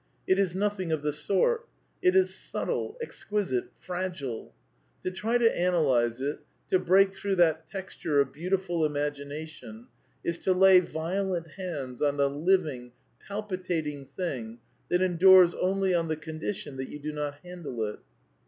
It is nothing of the sort. It_ is subtle, ex quisite^ ragile . To try to analyse it, to bresi through tnat texture of beautiful imagination, is to lay violent hands on a living, palpitating thing that endures only on the condition that you do not handle it.